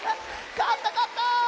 かったかった！